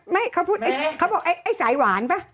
ไม่เขาบอกไอ้สายหวานปะ